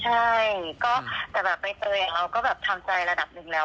ใช่ก็แต่ใบเตยเราก็ทำใจระดับหนึ่งแล้ว